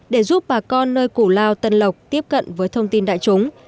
để giúp bà con nơi củ lao tân lộc tiếp cận với thông tin đại chúng